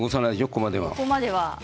ここまでは。